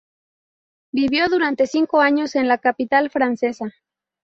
Vivió durante cinco años en la capital francesa.